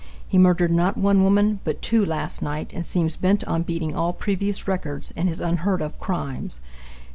He murdered not one woman but two last night, and seems bent on beating all previous records in his unheard of crimes.